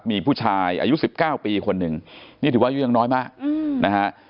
มีผู้ชายอายุ๑๙ปีคนหนึ่งนี่ถือว่าอายุยังน้อยมากนะฮะ